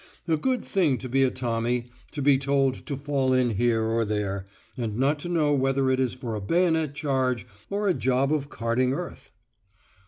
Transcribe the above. A good thing to be a Tommy, to be told to fall in here or there, and not to know whether it is for a bayonet charge, or a job of carting earth!